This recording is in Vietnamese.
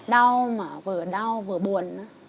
đau mà vừa đau vừa buồn